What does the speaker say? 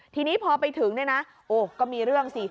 ทีนี้พอไปถึงด้วยนะก็มีเรื่องสิ